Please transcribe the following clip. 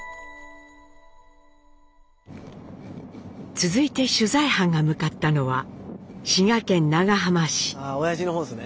続いて取材班が向かったのはあおやじの方ですね。